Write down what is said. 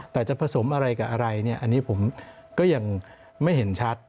แต่จะผสมอะไรกับอะไรเนี่ยอันนี้ผมก็ยังไม่เห็นชัด